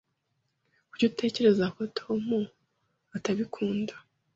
Kuki utekereza ko Tom atabikunda?